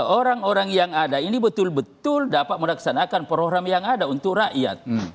orang orang yang ada ini betul betul dapat melaksanakan program yang ada untuk rakyat